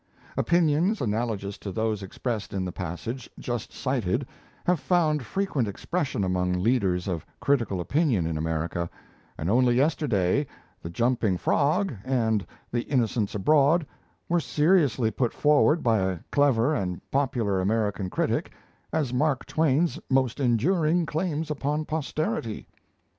Opinions analogous to those expressed in the passage just cited have found frequent expression among leaders of critical opinion in America; and only yesterday 'The Jumping Frog' and 'The Innocents Abroad' were seriously put forward, by a clever and popular American critic, as Mark Twain's most enduring claims upon posterity!